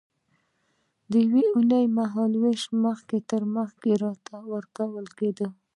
د یوې اوونۍ مهال وېش به مخکې تر مخکې راته ورکول کېده.